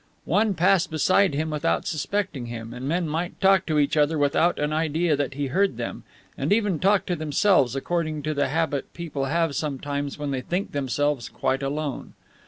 One passed beside him without suspecting him, and men might talk to each other without an idea that he heard them, and even talk to themselves according to the habit people have sometimes when they think themselves quite alone.